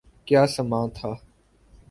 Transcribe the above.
کیا سماں تھا۔